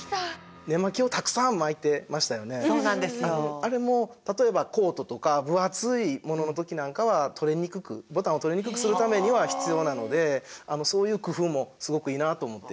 あれも例えばコートとか分厚いものの時なんかは取れにくくボタンを取れにくくするためには必要なのでそういう工夫もすごくいいなと思って見てました。